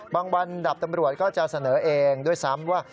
บางวันดับตำรวจก็จะเสนอเองด้วยซ้ำว่า